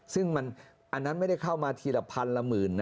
ซึ่งอันนั้นไม่ได้เข้ามาทีละพันละหมื่นนะ